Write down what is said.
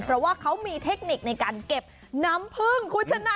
เพราะว่าเขามีเทคนิคในการเก็บน้ำพึ่งคุณชนะ